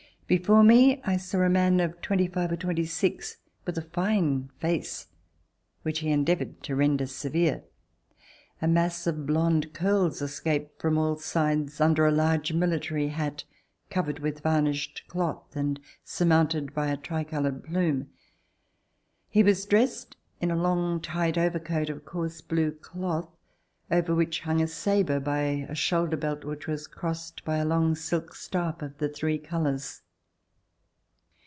Before me I saw a man of twenty five or twenty six, with a fine face which he endeavored to render severe. A mass of blond curls escaped from all sides under a large military hat covered with varnished cloth and surmounted by a tricolored plume. He was dressed in a long tight overcoat of coarse blue cloth, over which hung a sabre by a shoulder belt which was crossed by a long silk scarf of the three colors.